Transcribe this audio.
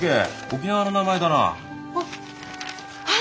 沖縄の名前だな。ははい！